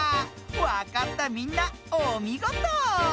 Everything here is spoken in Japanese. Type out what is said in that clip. わかったみんなおみごと。